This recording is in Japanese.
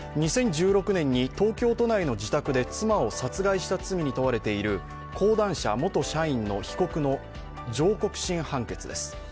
２０１６年に東京都内の自宅で妻を殺害した罪に問われている講談社元社員の被告の上告審判決です。